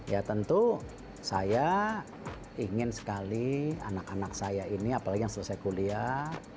ya tentu saya ingin sekali anak anak saya ini apalagi yang selesai kuliah